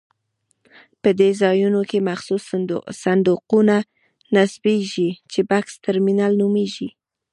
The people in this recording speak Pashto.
په دې ځایونو کې مخصوص صندوقونه نصبېږي چې بکس ترمینل نومېږي.